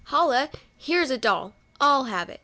Holloa ! here's a doll, I'll have it."